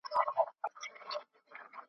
دا هلمند هلمند رودونه .